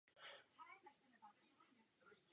Muzeum je pobočkou Uměleckoprůmyslového musea v Praze.